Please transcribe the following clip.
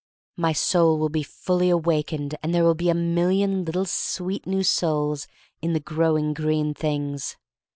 My soul will be fully awakened and there will be a million little sweet new souls in the green growing things.